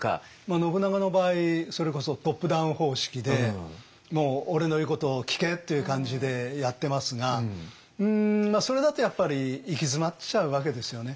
信長の場合それこそトップダウン方式でもう俺の言うことを聞けっていう感じでやってますがうんそれだとやっぱり行き詰まっちゃうわけですよね。